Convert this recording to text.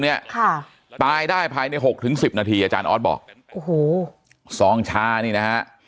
เนี่ยตายได้ภายใน๖ถึง๑๐นาทีอาจารย์ออสบอกซองชานี่นะ